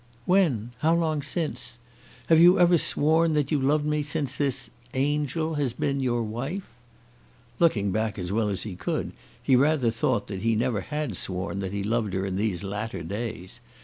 "When? How long since? Have you ever sworn that you loved me since this angel has been your wife?" Looking back as well as he could, he rather thought that he never had sworn that he loved her in these latter days.